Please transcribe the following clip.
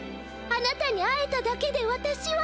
あなたに会えただけでわたしは」。